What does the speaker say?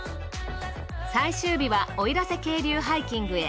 最終日は奥入瀬渓流ハイキングへ。